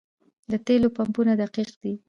د تیلو پمپونه دقیق دي؟